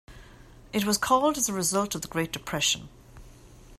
It was called as a result of the Great Depression.